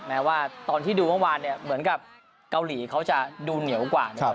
แม้ว่าตอนที่ดูเมื่อวานเนี่ยเหมือนกับเกาหลีเขาจะดูเหนียวกว่านะครับ